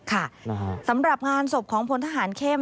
ค่ะสำหรับงานศพของพลทหารเข้ม